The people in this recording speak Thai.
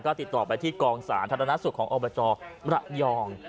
ก็ติดต่อไปที่กองสารรัฐานัทสุของออกมาจอดรัตน์ยอง